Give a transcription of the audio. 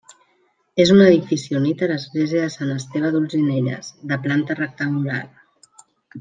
És un edifici unit a l'església de Sant Esteve d'Olzinelles, de planta rectangular.